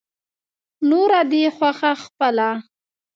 نوره دې خوښه خپله.